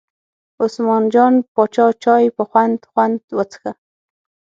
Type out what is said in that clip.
عثمان جان پاچا چای په خوند خوند وڅښه.